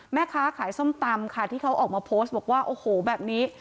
แม่ค้าขายส้มตำค่ะที่เขาออกมาโพสต์บอกว่าโอ้โหแบบนี้